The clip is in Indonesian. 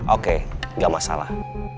oke gak masalah